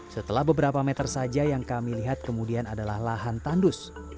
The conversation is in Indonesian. setelah beberapa meter saja yang kami lihat kemudian adalah lahan tandus